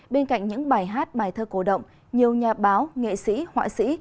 bên cạnh những bài hát bài thơ cổ động nhiều nhà báo nghệ sĩ họa sĩ